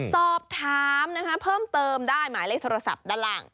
สอบถามนะคะเพิ่มเติมได้หมายเลขโทรศัพท์ด้านล่าง